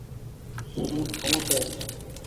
আমার ক্ষমা চাওয়া উচিৎ।